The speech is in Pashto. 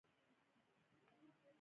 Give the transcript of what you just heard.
دوی مالیاتي سیستم اصلاح کوي.